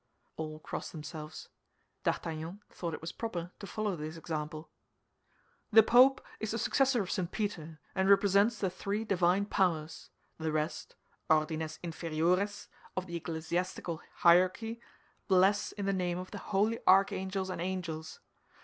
All crossed themselves. D'Artagnan thought it was proper to follow this example. "The Pope is the successor of St. Peter, and represents the three divine powers; the rest—ordines inferiores—of the ecclesiastical hierarchy bless in the name of the holy archangels and angels.